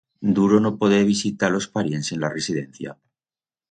Duro no poder visitar a los parients en la residencia.